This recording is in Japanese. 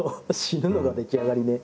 「死ぬのができ上がり」ね。